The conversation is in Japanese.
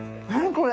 これ。